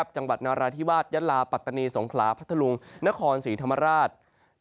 จังหวัดนาราธิวาสยะลาปัตตานีสงขลาพัทธลุงนครศรีธรรมราช